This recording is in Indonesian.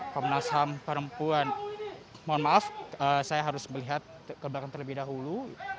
komnas ham perempuan mohon maaf saya harus melihat ke belakang terlebih dahulu